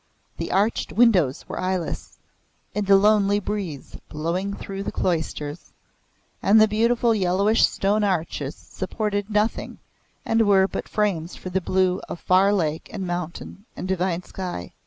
the arched windows were eyeless and a lonely breeze blowing through the cloisters, and the beautiful yellowish stone arches supported nothing and were but frames for the blue of far lake and mountain and the divine sky.